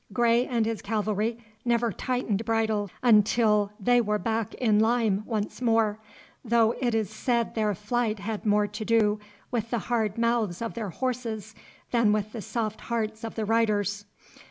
Grey and his cavalry never tightened bridle until they were back in Lyme once more, though it is said their flight had more to do with the hard mouths of their horses than with the soft hearts of the riders.